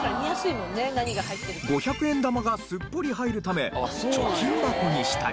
５００円玉がすっぽり入るため貯金箱にしたり。